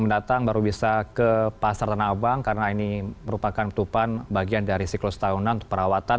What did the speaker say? mendatang baru bisa ke pasar tanah abang karena ini merupakan penutupan bagian dari siklus tahunan untuk perawatan